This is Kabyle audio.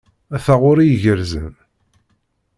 Taɣuri igerrzen.